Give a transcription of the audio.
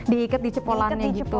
di ikat di cepolannya gitu